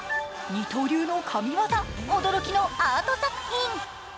二刀流の神業、驚きのアート作品。